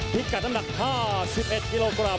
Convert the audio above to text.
พิกัดน้ำหนัก๕๑กิโลกรัม